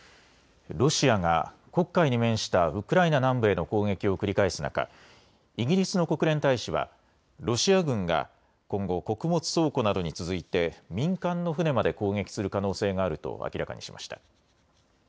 ロシアが黒海に面したウクライナ南部への攻撃を繰り返す中、イギリスの国連大使はロシア軍が今後、穀物倉庫などに続いて民間の船まで攻撃する可能性があると明らかにしました。